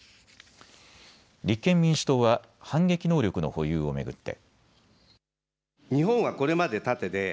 立憲民主党は反撃能力の保有を巡って。